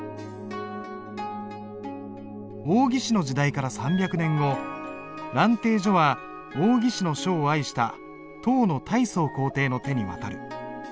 王羲之の時代から３００年後「蘭亭序」は王羲之の書を愛した唐の太宗皇帝の手に渡る。